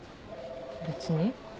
別に。